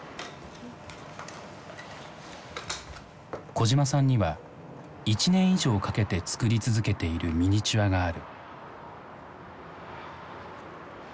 小島さんには１年以上かけて作り続けているミニチュアがある。